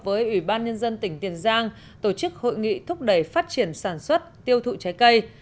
với ủy ban nhân dân tỉnh tiền giang tổ chức hội nghị thúc đẩy phát triển sản xuất tiêu thụ trái cây